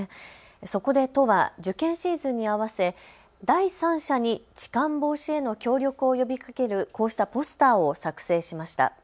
そこで都は受験シーズンに合わせて第三者に痴漢防止への協力を呼びかける、こうしたポスターを作成しました。